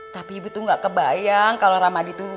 tapi ibu tuh gak kebayang kalau ramadi tuh